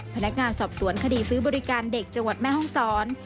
พนักงานสอบสวนคดีซื้อบริการเด็กจังหวัดแม่ห้องศร